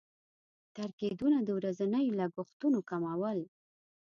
تر کېدونه د ورځنيو لګښتونو کمول.